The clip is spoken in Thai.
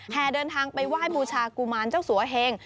แห่เดินทางไปว่ายบูชากุมารเจ้าสัวเหง